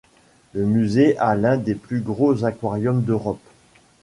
Le musée a l'un des plus gros aquariums d'Europe.